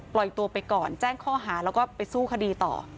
ปล่อยตัวไปก่อนแจ้งข้อหาแล้วก็ไปสู้คดีต่อ